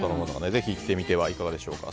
ぜひ行ってみてはいかがでしょうか。